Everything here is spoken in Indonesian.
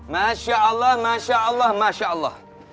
masya allah masya allah masya allah